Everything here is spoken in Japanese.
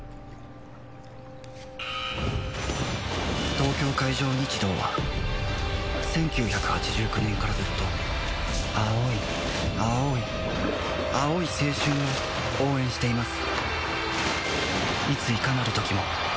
東京海上日動は１９８９年からずっと青い青い青い青春を応援しています